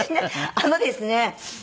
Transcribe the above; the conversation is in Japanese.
あのですね